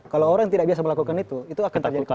kalau orang tidak biasa melakukan itu itu akan terjadi